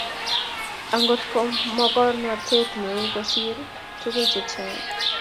akungut ko mokornotet neo kosir tukul chechang